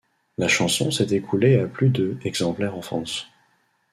La chanson s'est écoulée à plus de exemplaires en France.